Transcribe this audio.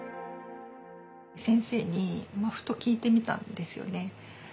先生にふと聞いてみたんですよね。